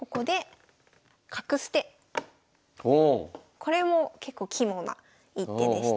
これも結構肝な一手でした。